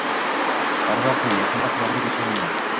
Darvoqe, yaqinda qulog‘imga chalindi